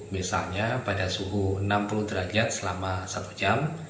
misalnya pada suhu enam puluh derajat selama satu jam